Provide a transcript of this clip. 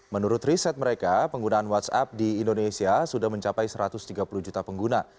menurut riset mereka penggunaan whatsapp di indonesia sudah mencapai satu ratus tiga puluh juta pengguna